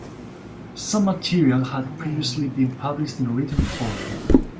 Some material had previously been published in written form.